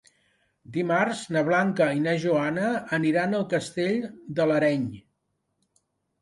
Dimarts na Blanca i na Joana aniran a Castell de l'Areny.